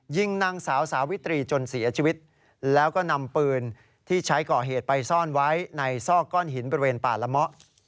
ยิงนางสาวสาวิตรีจนเสียชีวิตแล้วก็นำปืนที่ใช้ก่อเหตุไปซ่อนไว้ในซอกก้อนหินบริเวณป่าละเมาะ